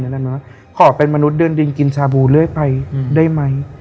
เห็นแบบนั้นเหมือนว่าขอเป็นมนุษย์เดินดินกินชาบูเรื่อยไปได้ไหม